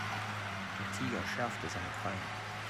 Der Tiger schärfte seine Krallen.